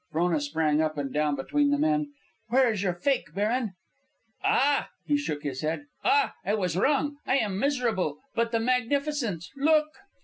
Frona sprang up and down between the men. "Where is your fake, baron?" "Ah!" He shook his head. "Ah! I was wrong. I am miserable. But the magnificence! Look!"